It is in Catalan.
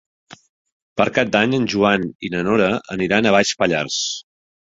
Per Cap d'Any en Joan i na Nora aniran a Baix Pallars.